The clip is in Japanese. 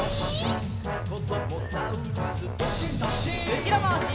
うしろまわし。